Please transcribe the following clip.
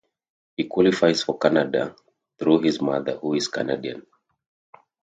He qualifies for Canada through his mother who is Canadian.